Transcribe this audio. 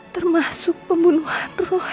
termasuk pembunuhan roy